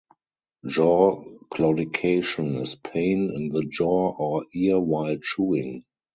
Jaw claudication is pain in the jaw or ear while chewing.